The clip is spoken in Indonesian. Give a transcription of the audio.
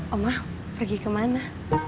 oma pergi kemana